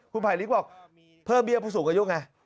คุณไผลลิกบอกเพิ่มเบี้ยผู้สูงอายุไง